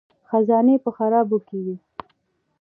خزانې په خرابو کې دي